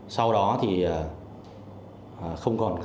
sau đó thì không còn thông tin của anh sang nữa